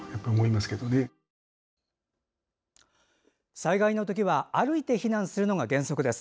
災害のときは歩いて避難するのが原則です。